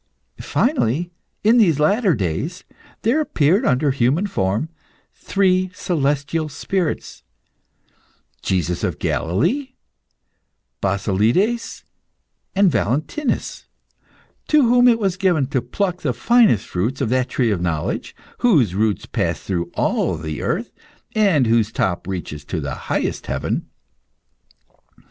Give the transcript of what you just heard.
Finally, in these latter days, there appeared, under human form, three celestial spirits Jesus of Galilee, Basilides, and Valentinus to whom it was given to pluck the finest fruits of that tree of knowledge, whose roots pass through all the earth, and whose top reaches to the highest heaven.